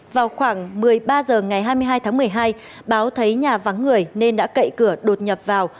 vào khoảng một mươi ba h ngày hai mươi hai tháng một mươi hai báo thấy nhà vắng người nên đã cậy cửa đột nhập vào